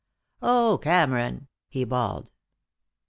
"Oh, Cameron!" he bawled.